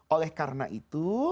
oleh karena itu